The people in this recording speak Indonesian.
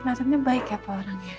rasanya baik ya pak orangnya